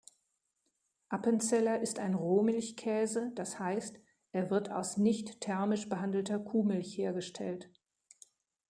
Appenzeller ist ein Rohmilchkäse, das heisst, er wird aus nicht thermisch behandelter Kuhmilch hergestellt.